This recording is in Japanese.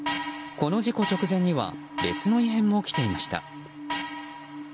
この事故直前には別の異変も起きていました。